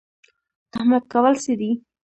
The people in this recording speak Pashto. تهمت کول څه دي؟